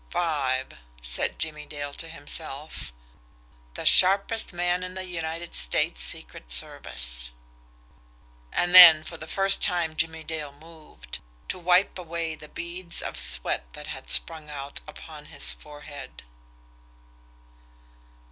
"Five," said Jimmie Dale to himself. "The sharpest man in the United States secret service." And then for the first time Jimmie Dale moved to wipe away the beads of sweat that had sprung out upon his forehead.